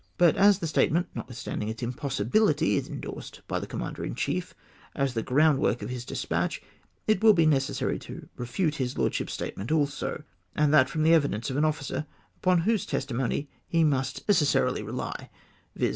But as that statement, notwithstanding its impossibihty, is endorsed by the commander in chief as the groundwork of his despatch, it will be neces sary to refute liis lordship's statement also, and that from the evidence of an officer upon whose testimony he must necessarily rely, viz.